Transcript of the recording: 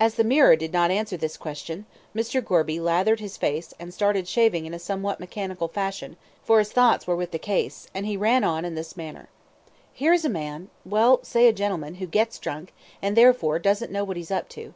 As the mirror did not answer this question, Mr. Gorby lathered his face, and started shaving in a somewhat mechanical fashion, for his thoughts were with the case, and ran on in this manner: "Here's a man well, say a gentleman who gets drunk, and, therefore, don't know what he's up to.